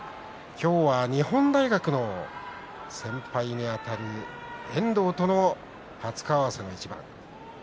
今日は日本大学の先輩にあたる遠藤と初顔合わせの一番です。